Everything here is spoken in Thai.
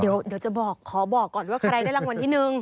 เดี๋ยวจะบอกขอบอกก่อนว่าใครได้รางวัลที่๑